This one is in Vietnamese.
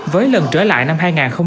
với lần trở lại năm hai nghìn một mươi chín